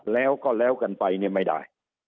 แล้วก็แล้วกันไปเนี่ยไม่ได้